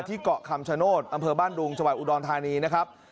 เกาะคำชโนธอำเภอบ้านดุงจังหวัดอุดรธานีนะครับ